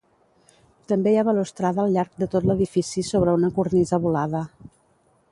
També hi ha balustrada al llarg de tot l'edifici sobre una cornisa volada.